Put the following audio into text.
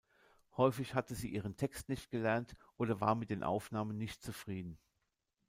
Häufig hatte sie ihren Text nicht gelernt oder war mit den Aufnahmen nicht zufrieden.